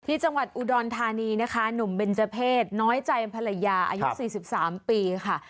ที่จังหวัดอุดรธานีนะคะหนุ่มเบนเจอร์เพศน้อยใจภรรยาอายุ๔๓ปีค่ะ